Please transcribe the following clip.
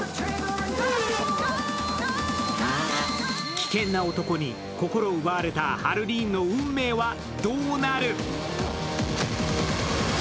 危険な男に心を奪われたハルリーンの運命はどうなる？